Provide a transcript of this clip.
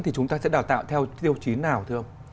thì chúng ta sẽ đào tạo theo tiêu chí nào